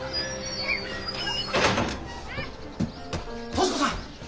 敏子さん！